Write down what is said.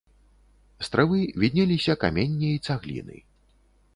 З травы віднеліся каменне і цагліны.